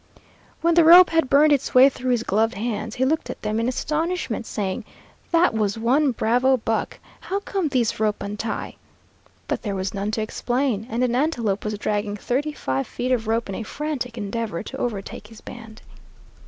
When the rope had burned its way through his gloved hands, he looked at them in astonishment, saying, "That was one bravo buck. How come thees rope untie?" But there was none to explain, and an antelope was dragging thirty five feet of rope in a frantic endeavor to overtake his band.